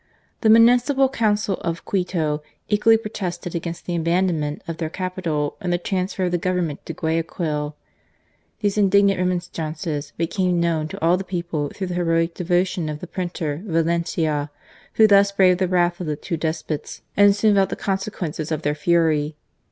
The municipal council of Quito equally protested against the abandonment of their capital and the transfer of the Government to Guayaquil. These indignant remonstrances became known to all the people through the heroic devotion of the printer, Valentia, who thus braved the wrath of the two despots and soon felt the consequences of their fury.